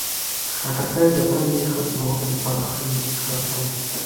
خټکی د تندې ختمولو لپاره ښه انتخاب دی.